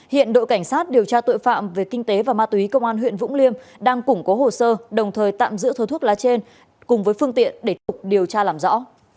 hiện đội cảnh sát điều tra tội phạm về kinh tế và ma túy công an huyện vũng liêm đang củng cố hồ sơ đồng thời tạm giữ số thuốc lá trên cùng với phương tiện để tục điều tra làm rõ